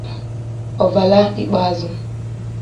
Ọvala ikpeazụ